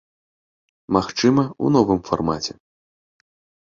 Магчыма, у новым фармаце.